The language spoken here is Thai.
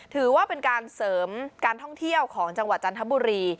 ถือว่าเป็นการเสริมการท่องเที่ยวของจังหวัดจันทบุรี